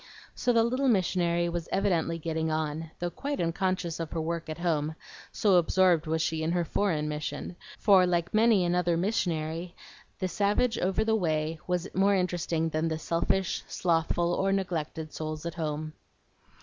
So the little missionary was evidently getting on, though quite unconscious of her work at home, so absorbed was she in her foreign mission; for, like many another missionary, the savage over the way was more interesting than the selfish, slothful, or neglected souls at home.